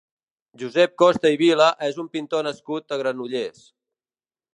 Josep Costa i Vila és un pintor nascut a Granollers.